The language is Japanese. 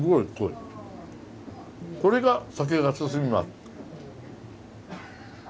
これが酒が進みます。